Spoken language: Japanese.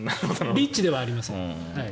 リッチではありません。